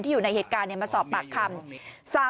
ที่อยู่ในเหตุการณ์เนี่ยมาสอบปากคำ